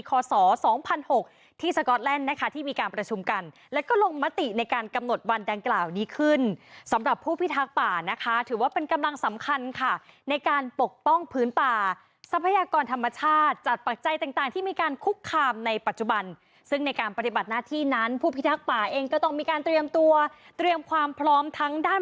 ก็ลงมติในการกำหนดวันดังกล่าวนี้ขึ้นสำหรับผู้พิทักษ์ป่านะคะถือว่าเป็นกำลังสำคัญค่ะในการปกป้องพื้นป่าสัพพยากรธรรมชาติจัดปักใจต่างต่างที่มีการคุกคามในปัจจุบันซึ่งในการปฏิบัติหน้าที่นั้นผู้พิทักษ์ป่าเองก็ต้องมีการเตรียมตัวเตรียมความพร้อมท